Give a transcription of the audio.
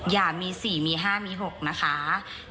อย่ามีสี่มีห้ามีหกนะคะ